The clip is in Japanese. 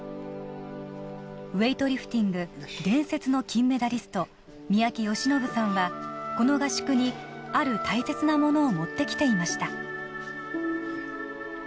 ウエイトリフティング伝説の金メダリスト三宅義信さんはこの合宿にある大切なものを持ってきていました